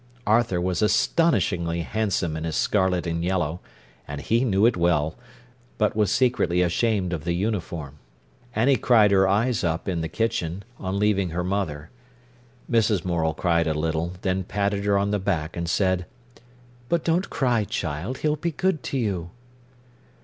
Arthur was astonishingly handsome in his scarlet and yellow, and he knew it well, but was secretly ashamed of the uniform. Annie cried her eyes up in the kitchen, on leaving her mother. Mrs. Morel cried a little, then patted her on the back and said: "But don't cry, child, he'll be good to you."